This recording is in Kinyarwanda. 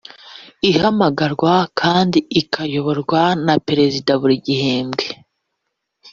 ihamagarwa kandi ikayoborwa na perezida buri gihembwe